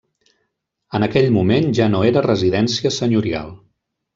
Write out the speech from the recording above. En aquell moment ja no era residència senyorial.